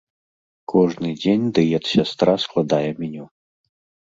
Кожны дзень дыет-сястра складае меню.